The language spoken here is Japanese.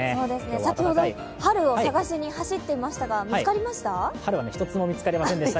先ほど春を探しに走っていましたが、見つかりました？